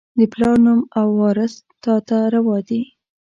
د پلار نوم او، وراث تا ته روا دي